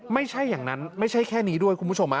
ไม่ใช่อย่างนั้นไม่ใช่แค่นี้ด้วยคุณผู้ชม